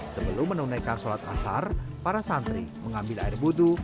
sebelum menunaikan sholat asar para santri mengambil air budu